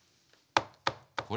これ？